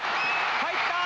入った！